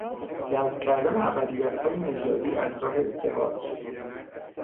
جذب کردن اقلیتهای نژادی از راه ازدواج